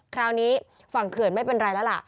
คราวนี้ฝั่งเขื่อนไม่เป็นไรแล้วล่ะ